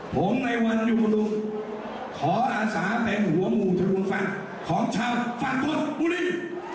ผมในวันอยู่บำรุงขออาศาเป็นหัวหมู่ทุนวงฟังของชาวฝั่งคนบุรี